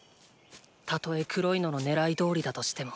たとえ黒いのの狙い通りだとしても。